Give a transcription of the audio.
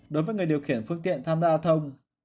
đối với người điều khiển phương tiện tham gia giao thông